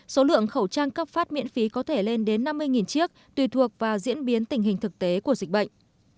số lượng khẩu trang cấp phát miễn phí có thể lên đến năm mươi chiếc tùy thuộc vào diễn biến tình hình thực tế của dịch bệnh